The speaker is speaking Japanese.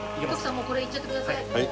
もうこれいっちゃってください。